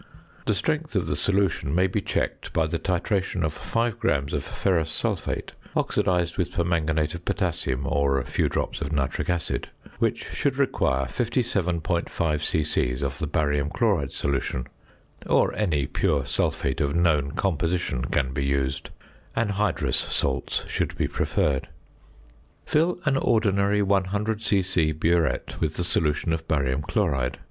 The strength of the solution may be checked by the titration of 5 grams of ferrous sulphate (oxidized with permanganate of potassium or a few drops of nitric acid), which should require 57.5 c.c. of the barium chloride solution; or any pure sulphate of known composition can be used; anhydrous salts should be preferred. [Illustration: FIG. 65.] Fill an ordinary 100 c.c. burette with the solution of barium chloride.